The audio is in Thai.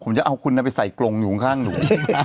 ผมจะเอาคุณไปใส่กรงอยู่ข้างหนู